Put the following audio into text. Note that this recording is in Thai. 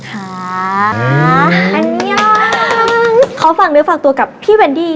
เลยนะคะอืมคะน้องขอฝากนึกฝากตัวกับพี่แว่นดี